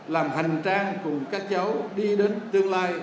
làm hành trang cùng các cháu đi đến tương lai